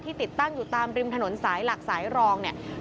ติดตั้งอยู่ตามริมถนนสายหลักสายรองเนี่ย